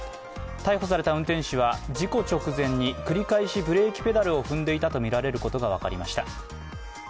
逮捕された運転手は事故直前に繰り返しブレーキペダルを踏んでいたとみられることが分かりました。